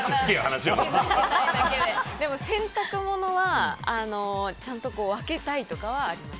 でも、洗濯物はちゃんと分けたいとかはあります。